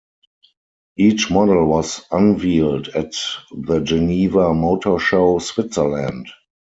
Each model was unveiled at the Geneva Motor Show, Switzerland.